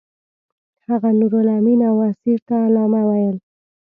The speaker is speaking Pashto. هغه نورالامین او اسیر ته علامه ویل.